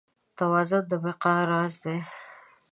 توازن د بقا راز دی.